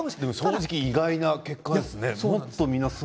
正直、意外な結果ですね。